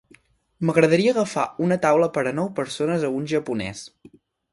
M'agradaria agafar una taula per a nou persones a un japonès.